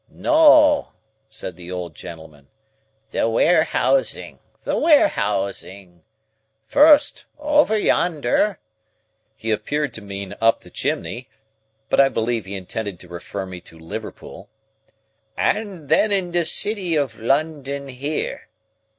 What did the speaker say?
"No," said the old gentleman; "the warehousing, the warehousing. First, over yonder;" he appeared to mean up the chimney, but I believe he intended to refer me to Liverpool; "and then in the City of London here.